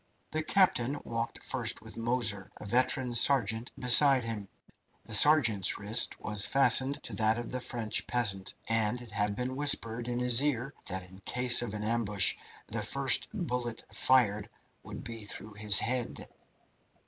The captain walked first with Moser, a veteran sergeant, beside him. The sergeant's wrist was fastened to that of the French peasant, and it had been whispered in his ear that in case of an ambush the first bullet fired would be through his head.